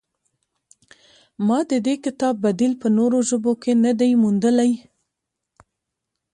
ما د دې کتاب بدیل په نورو ژبو کې نه دی موندلی.